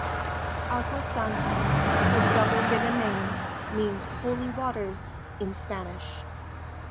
Aguas Santas, her double given name, means "holy waters" in Spanish.